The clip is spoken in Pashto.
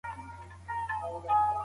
پلار له پوليسو سره ناست دی او مات ښکاري.